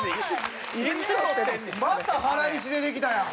また原西出てきたやん。